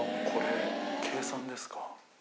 これ、計算ですか？